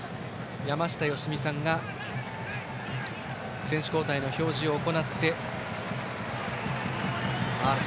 山下良美さんが選手交代の表示を行っています。